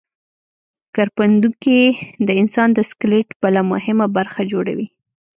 کرپندوکي د انسان د سکلیټ بله مهمه برخه جوړوي.